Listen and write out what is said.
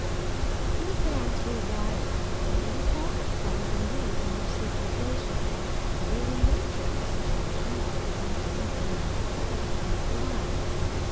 These bands were wild, very little progress having been made in their civilization, the very nature of the situation preventing very much advance in that line.